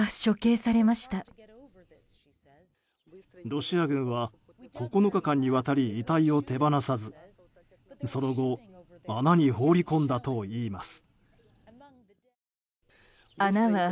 ロシア軍は９日間にわたり遺体を手放さず、その後穴に放り込んだといいます。